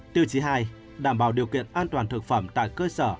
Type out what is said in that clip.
tiêu chí hai đảm bảo điều kiện an toàn thực phẩm tại cơ sở